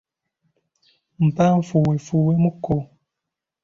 Mpa nfuuwefuuwemu ko